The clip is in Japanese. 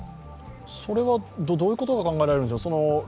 それはどういうことが考えられるんでしょうか？